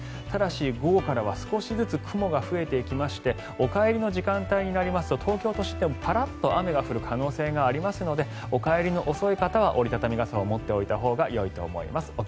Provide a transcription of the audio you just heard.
ただし午後からは少しずつ雲が増えていきましてお帰りの時間帯になりますと東京都心でもパラっと雨が降る可能性がありますのでお帰りの遅い方は折り畳み傘を持っておいたほうがよいと思います。